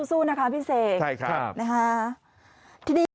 สู้นะคะพี่เสกนะคะที่นี่